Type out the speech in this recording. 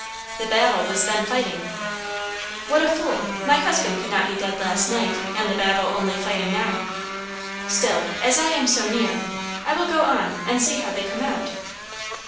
The battle was then fighting. What a fool! my husband could not be dead last night, and the battle only fighting now! Still, as I am so near, I will go on and see how they come out.